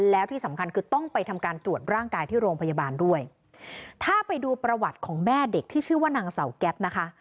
แล้วที่สำคัญคือต้องไปทำการตรวจร่างกายที่โรงพยาบาลด้วยถ้าไปดูประวัติของแม่เด็กที่ชื่อว่านางเสาแก๊ปนะคะ